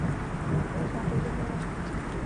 Rod má pouze dva zástupce.